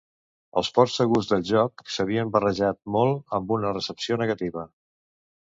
Els ports segurs del joc s'havien barrejat molt amb una recepció negativa.